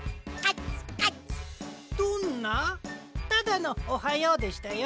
ただの「おはよう」でしたよ。